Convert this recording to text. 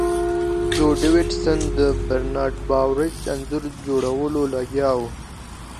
جو ډیویډ سن د برنارډ باروچ انځور جوړولو لګیا و